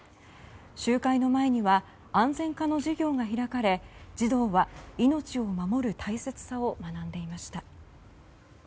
集会の前には安全科の授業が開かれ児童は命を守る大切さを学んでいました。